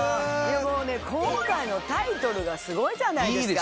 もうね今回のタイトルがスゴいじゃないですか。